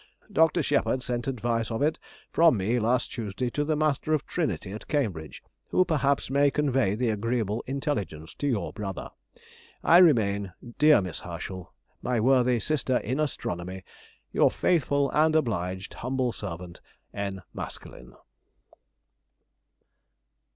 Dr. Shepherd sent advice of it from me last Tuesday to the Master of Trinity, at Cambridge, who perhaps may convey the agreeable intelligence to your brother. I remain, dear Miss Herschel, My worthy sister in astronomy, Your faithful and obliged humble servant, N. MASKELYNE.